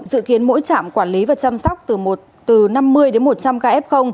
dự kiến mỗi trạm quản lý và chăm sóc từ năm mươi đến một trăm linh ca f